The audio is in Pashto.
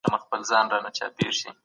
خو د عدالت په برخه کي جدي اوسئ.